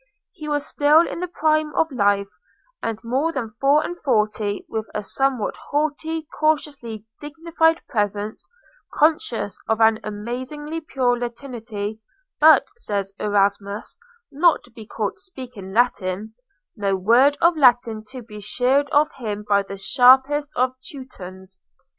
He was still in the prime of life, not more than four and forty, with a somewhat haughty, cautiously dignified presence; conscious of an amazingly pure Latinity, but, says Erasmus, not to be caught speaking Latin—no word of Latin to be sheared off him by the sharpest of Teutons.